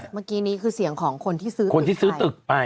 เมื่อกี้นี้คือเสียงของคนที่ซื้อคนที่ซื้อตึกไป